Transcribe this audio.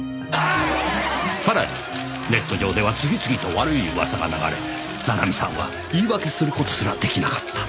さらにネット上では次々と悪い噂が流れ七海さんは言い訳する事すら出来なかった。